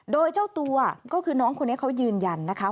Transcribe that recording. โดยเจ้าตัวก็คือน้องคนนี้เขายืนยันนะคะ